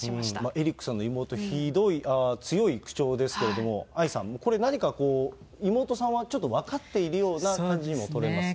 エリックさんの妹、強い口調ですけれども、愛さん、これ、何か妹さんはちょっと分かっているような感じにも取れますよね。